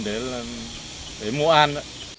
để mua ăn